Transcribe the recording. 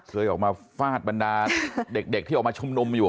เคยออกมาฟาดบรรดาเด็กที่ออกมาชุมนุมอยู่